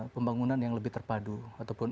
pembangunan yang lebih terpadu ataupun